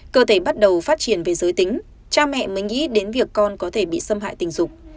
chuyển về giới tính cha mẹ mới nghĩ đến việc con có thể bị xâm hại tình dục